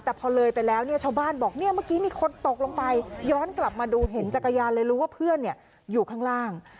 แต่พอเลยไปแล้วเนี่ยชาวบ้านบอกเนี่ยเมื่อกี้มีคนตกลงไปย้อนกลับมาดูเห็นจักรยานเลยรู้ว่าเพื่อนอยู่ข้างล่าง